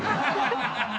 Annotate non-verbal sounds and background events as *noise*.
ハハハ *laughs*